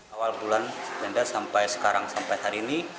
awal bulan agus reda sampai sekarang sampai hari ini